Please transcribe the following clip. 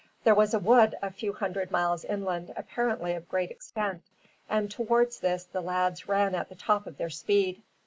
There was a wood a few hundred yards inland, apparently of great extent, and towards this the lads ran at the top of their speed.